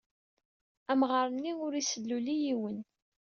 Amɣar-nni ur isell ula i yiwen.